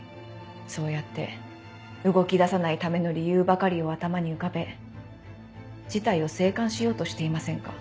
そうやって動き出さないための理由ばかりを頭に浮かべ事態を静観しようとしていませんか？